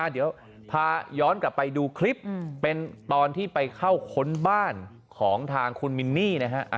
เดี๋ยวพาย้อนกลับไปดูคลิปเป็นตอนที่ไปเข้าค้นบ้านของทางคุณมินนี่นะฮะ